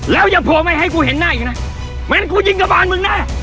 แล้วอย่าโผล่ไหมให้กูเห็นหน้าอีกนะไม่งั้นกูยิงกระบานมึงแน่